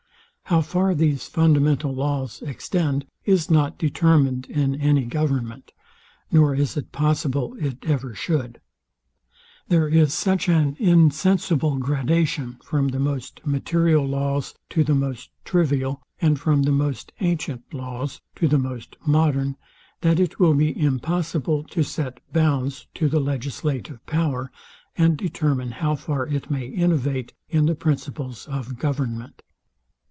How far these fundamental laws extend is not determined in any government; nor is it possible it ever should. There is such an indefensible gradation from the most material laws to the most trivial, and from the most ancient laws to the most modern, that it will be impossible to set bounds to the legislative power, and determine how far it may innovate in the principles of government.